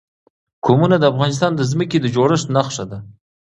قومونه د افغانستان د ځمکې د جوړښت نښه ده.